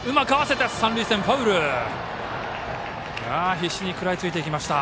必死に食らいついていきました。